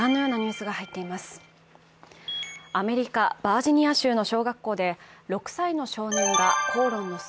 アメリカ・バージニア州の小学校で６歳の少年が口論の末、